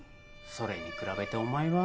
それに比べてお前は